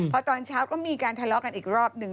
พอตอนเช้าก็มีการทะเลาะกันอีกรอบหนึ่ง